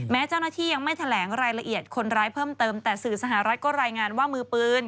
แม้เจ้าหน้าที่ยังไม่แถลงรายละเอียดคนร้ายเพิ่มเติมแต่สื่อสหรัฐก็รายงานว่ามือปืน